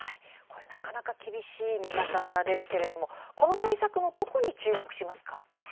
なかなか厳しい見方ですけれどもこの対策のどこに注目しますか。